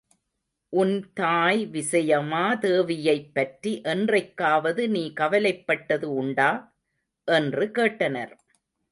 உன் தாய் விசயமா தேவியைப்பற்றி என்றைக்காவது நீ கவலைப்பட்டது உண்டா? என்று கேட்டனர்.